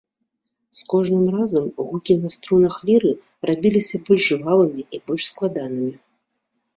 З кожным разам гукі на струнах ліры рабіліся больш жвавымі і больш складанымі.